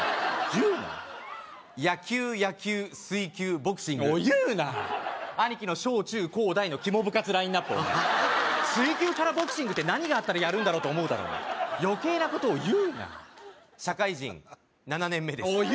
言うな野球野球水球ボクシングおい言うな兄貴の小中高大のキモ部活ラインナップを水球からボクシングって何があったらやるんだろう？と思うだろ余計なことを言うな社会人７年目ですおい